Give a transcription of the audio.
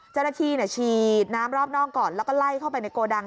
เจ้าหน้าที่ฉีดน้ำรอบนอกก่อนแล้วก็ไล่เข้าไปในโกดัง